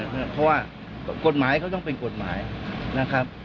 เพราะว่ากฎหมายเขาต้องเป็นกฎหมายนะครับ